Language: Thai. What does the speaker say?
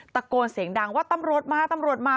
ตะโกนเสียงดังว่าตำรวจมาตำรวจมา